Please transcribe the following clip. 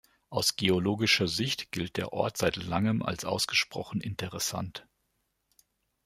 Aus geologischer Sicht gilt der Ort seit langem als ausgesprochen interessant.